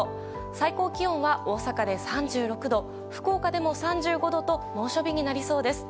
最高気温は、大阪で３６度福岡でも３５度と猛暑日になりそうです。